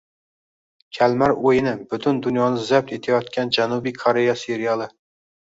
Kalmar o‘yini — butun dunyoni zabt etayotgan Janubiy Koreya seriali